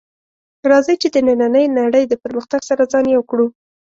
راځئ چې د نننۍ نړۍ د پرمختګ سره ځان یو کړو